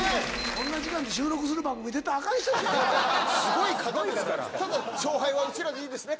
こんな時間に収録する番組すごい方ですからただ勝敗はウチらでいいですね？